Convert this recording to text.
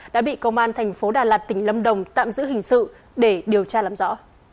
đã bị công an tp đà lạt tỉnh lâm đồng tạm giữ hình sự để điều tra làm rõ